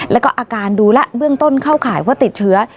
แล้วก็อาการดูแล้วเบื้องต้นเข้าข่ายว่าติดเชื้อ